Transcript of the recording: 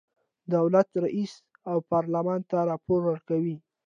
دولت رئیس او پارلمان ته راپور ورکوي.